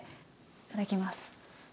いただきます。